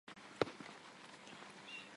Ի վերջո, գյուղը վերածնվում է։